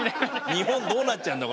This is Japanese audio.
日本どうなっちゃうんだ？